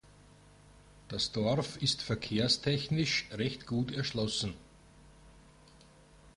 Das Dorf ist verkehrstechnisch recht gut erschlossen.